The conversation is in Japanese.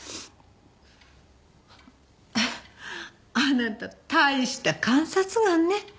あなた大した観察眼ね。